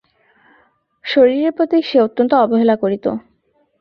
শরীরের প্রতি সে অত্যন্ত অবহেলা করিত।